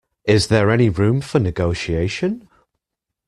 Is there any room for negotiation?